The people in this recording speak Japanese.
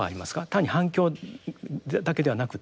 他に反共だけではなくって。